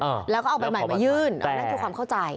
เออแล้วก็เอาบัตรหมายมายื่นเอาให้พูดความเข้าใจ